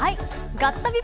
ガッタビ！！